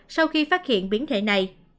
sau khi phát hiện biến thể này